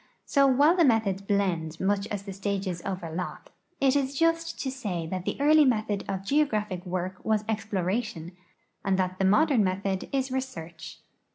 So, while the methods blend much as the stages overlap, it is just to say that the early method of geographic work was exploration, and that the modern method is research.